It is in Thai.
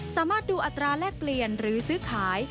สามารถดูอัตราแลกเปลี่ยนหรือซื้อขาย